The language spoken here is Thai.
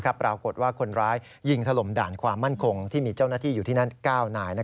ปรากฏว่าคนร้ายยิงถล่มด่านความมั่นคงที่มีเจ้าหน้าที่อยู่ที่นั่น๙นาย